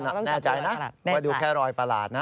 แน่ใจนะว่าดูแค่รอยประหลาดนะ